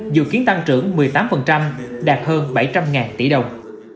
dự kiến tăng trưởng một mươi tám đạt hơn bảy trăm linh tỷ đồng